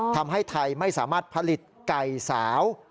ทำให้ไทยไม่สามารถผลิตไก่สาว